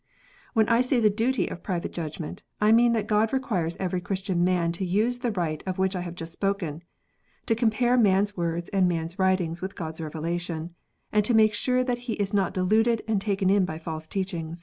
When I say the duty of private judgment, I mean that God requires every Christian man to use the right of which I have just spoken ; to compare man s words and man s writings with God s revelation, and to make sure that he is not deluded and taken in by false teaching.